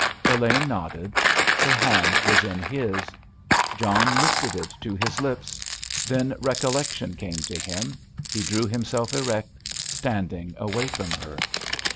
Elaine nodded. Her hand was in his. John lifted it to his lips. Then recollection came to him; he drew himself erect, standing away from her.